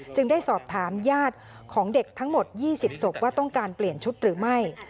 ได้สอบถามญาติของเด็กทั้งหมด๒๐ศพว่าต้องการเปลี่ยนชุดหรือไม่